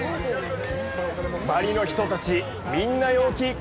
バリの人たち、みんな陽気！